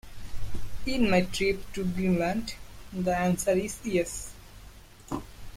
In my trip to Greenland, the answer is yes.